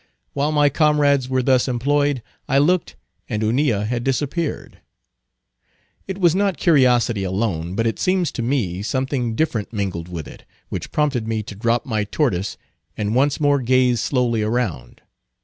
While my comrades were thus employed, I looked and Hunilla had disappeared. It was not curiosity alone, but, it seems to me, something different mingled with it, which prompted me to drop my tortoise, and once more gaze slowly around.